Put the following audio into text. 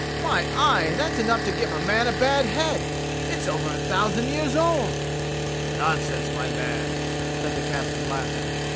My eye ! that's enough to give a man a bad head. It's over a thousand years old." "Nonsense, my man," said the captain, laughing.